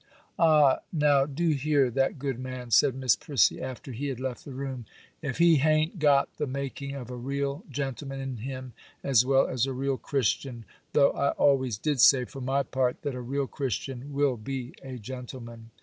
'Ah, now do hear that good man,' said Miss Prissy, after he had left the room; 'if he ha'n't got the making of a real gentleman in him as well as a real Christian, though I always did say, for my part, that a real Christian will be a gentleman.